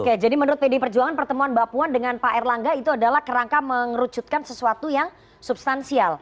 oke jadi menurut pdi perjuangan pertemuan mbak puan dengan pak erlangga itu adalah kerangka mengerucutkan sesuatu yang substansial